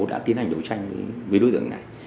đã tiến hành đấu tranh với đối tượng này